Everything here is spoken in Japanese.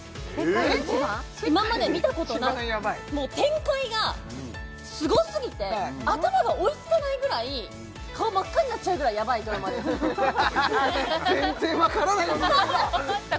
今まで見たことないもう展開がすごすぎて頭が追いつかないぐらい顔真っ赤になっちゃうぐらいヤバいドラマです全然分からないんですけどさあ